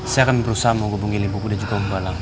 saya akan berusaha menghubungi limbu budi juga bumbalang